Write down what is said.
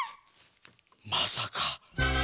まさか。